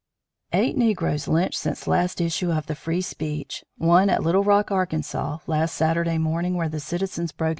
Eight negroes lynched since last issue of the Free Speech one at Little Rock, Ark., last Saturday morning where the citizens broke